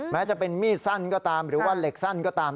แม้จะเป็นมีดสั้นก็ตามหรือว่าเหล็กสั้นก็ตาม